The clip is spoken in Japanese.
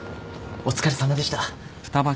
お疲れさまでした。